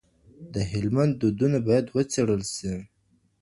د هلمند دودونه بايد وڅېړل سي.